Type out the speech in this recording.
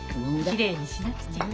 きれいにしなくちゃ。